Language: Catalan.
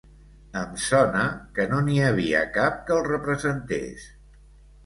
Em sona que no n'hi havia cap que el representés.